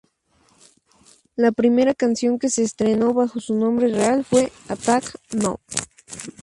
La primera canción que se estrenó bajo su nombre real fue Attack No.